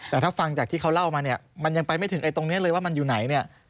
แต่ถ้าฟังจากที่เขาเล่ามาเนี่ยมันยังไปไม่ถึงไอ้ตรงนี้เลยว่ามันอยู่ไหนเนี่ย